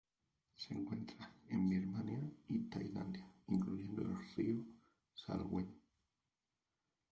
Se encuentra en Birmania y Tailandia, incluyendo el río Salween.